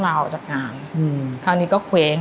ลาออกจากงานคราวนี้ก็เคว้ง